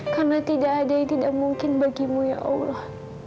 karena tidak ada yang tidak mungkin bagimu ya allah